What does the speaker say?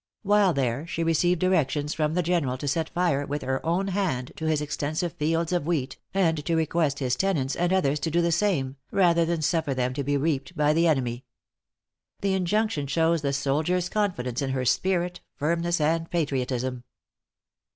While there, she received directions from the General, to set fire, with her own hand, to his extensive fields of wheat, and to request his tenants, and others, to do the same, rather than suffer them to be reaped by the enemy. The injunction shows the soldier's confidence in her spirit, firmness, and patriotism.